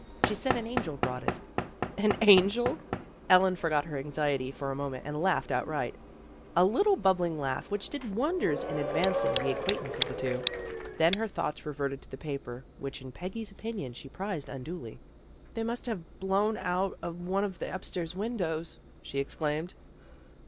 She said an angel brought it." " An angel? " Elaine forgot her anxiety for a moment and laughed outright; a little bubbling laugh which did wonders in advan cing the acquaintance of the two. Then her thoughts reverted to the paper, which in Peggy's opinion she prized unduly. " They must have blown out of one of the upstairs windows," she exclaimed.